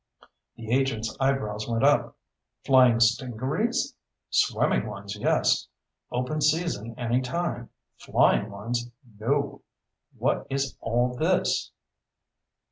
The agent's eyebrows went up. "Flying stingarees? Swimming ones, yes. Open season any time. Flying ones, no. What is all this?"